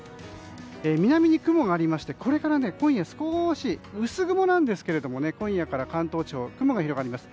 南に雲がありまして、これから今夜少し薄曇なんですが今夜から関東地方、雲が広がります。